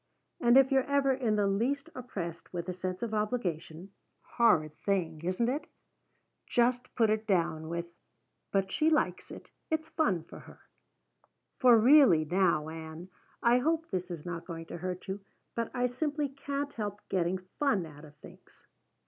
And if you're ever in the least oppressed with a sense of obligation horrid thing, isn't it? just put it down with, 'But she likes it. It's fun for her.' For really now, Ann, I hope this is not going to hurt you, but I simply can't help getting fun out of things.